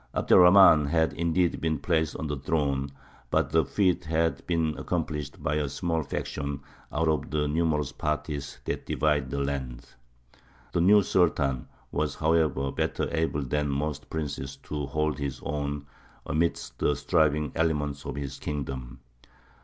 Abd er Rahmān had indeed been placed on the throne, but the feat had been accomplished by a small faction out of the numerous parties that divided the land. The new Sultan was, however, better able than most princes to hold his own amidst the striving elements of his kingdom.